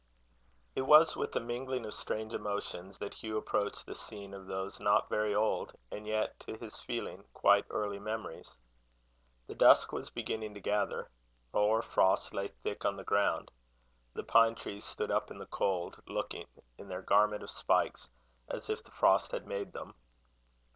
It was with a mingling of strange emotions, that Hugh approached the scene of those not very old, and yet, to his feeling, quite early memories. The dusk was beginning to gather. The hoar frost lay thick on the ground. The pine trees stood up in the cold, looking, in their garment of spikes, as if the frost had made them.